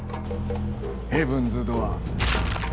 ヘブンズ・ドアー。